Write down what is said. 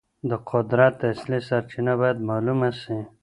د قدرت اصلي سرچینه باید معلومه سي.